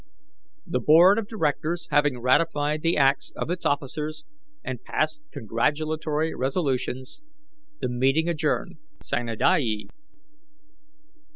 The Board of Directors having ratified the acts of its officers, and passed congratulatory resolutions, the meeting adjourned sine die.